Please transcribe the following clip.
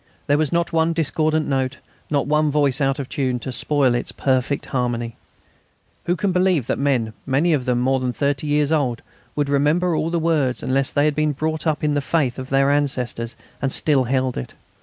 There was not one discordant note, not one voice out of tune, to spoil its perfect harmony. Who can believe that men, many of them more than thirty years old, would remember all the words unless they had been brought up in the faith of their ancestors and still held it?